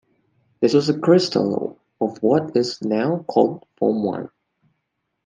This was as a crystal of what is now called form one.